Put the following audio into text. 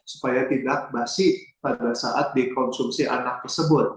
supaya tidak basi pada saat dikonsumsi anak tersebut